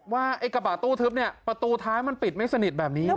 ว่าไอ้กระบะตู้ทึบเนี่ยประตูท้ายมันปิดไม่สนิทแบบนี้นะ